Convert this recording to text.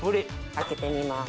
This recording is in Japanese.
開けてみます。